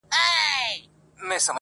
ښورواگاني يې څټلي د كاسو وې -